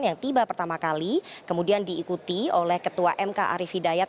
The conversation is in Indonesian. yang tiba pertama kali kemudian diikuti oleh ketua mk arief hidayat